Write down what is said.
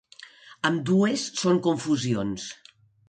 Ambdues són confusions.